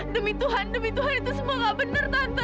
demi tuhan demi tuhan itu semua nggak benar tante